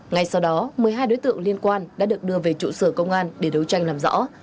ngay sau đó một mươi hai đối tượng liên quan đã được đưa về trụ sở công an để đấu tranh làm rõ